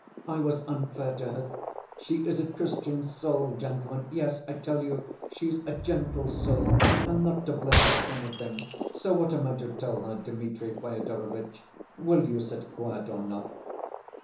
I was unfair to her; she is a Christian soul, gentlemen, yes, I tell you, she's a gentle soul, and not to blame for anything. So what am I to tell her, Dmitri Fyodorovitch? Will you sit quiet or not?"